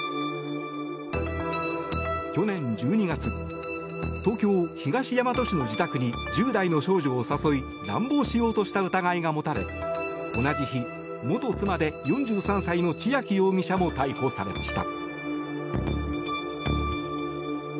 去年１２月、東京・東大和市の自宅に１０代の少女を誘い乱暴しようとした疑いが持たれ同じ日、元妻で４３歳の千秋容疑者も逮捕されました。